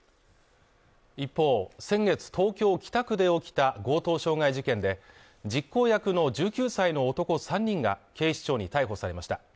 一方、先月東京・北区で起きた強盗傷害事件で、実行役の１９歳の男３人が警視庁に逮捕されました。